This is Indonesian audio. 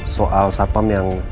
soal satpam yang